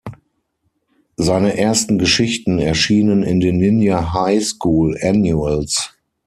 Seine ersten Geschichten erschienen in den "Ninja-High-School"-Annuals.